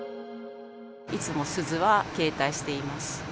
いつも鈴は携帯しています。